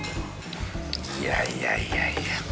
いやいやいやいや。